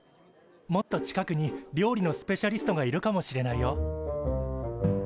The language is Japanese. もっと近くに料理のスペシャリストがいるかもしれないよ。